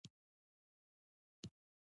کتابچه د ژوند ملګرې ده